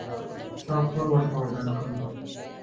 چا کور ورته ودان کړ؟